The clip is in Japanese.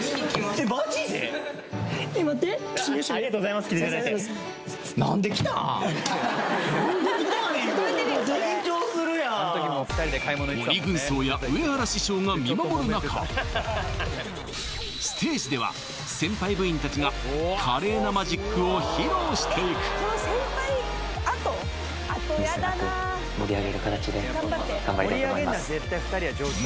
えっ待ってありがとうございます来ていただいてなんで来たん鬼軍曹や上原師匠が見守るなかステージでは先輩部員たちが華麗なマジックを披露していくミスなく盛り上げる形で頑張りたいと思います